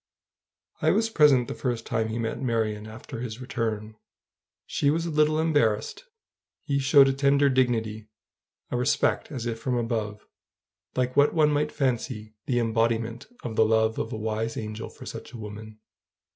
I was present the first time he met Marion after his return. She was a little embarrassed: he showed a tender dignity, a respect as if from above, like what one might fancy the embodiment of the love of a wise angel for such a woman.